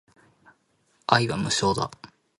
愛は無償だ